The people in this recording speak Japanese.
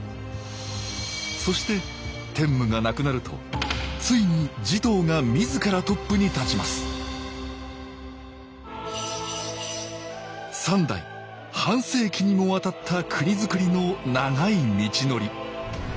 そして天武が亡くなるとついに持統が自らトップに立ちます三代半世紀にもわたった国づくりの長い道のり。